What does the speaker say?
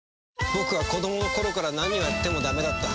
僕は子供の頃から何をやってもダメだった。